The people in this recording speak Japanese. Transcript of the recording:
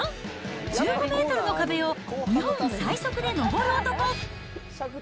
１５メートルの壁を日本最速で登る男。